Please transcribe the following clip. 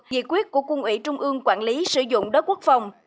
nghị quyết của quân ủy trung ương quản lý sử dụng đất quốc phòng